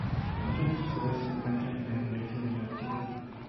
Muchas de sus obras se encuentran en las iglesias de la ciudad.